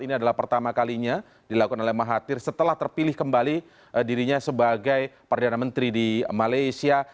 ini adalah pertama kalinya dilakukan oleh mahathir setelah terpilih kembali dirinya sebagai perdana menteri di malaysia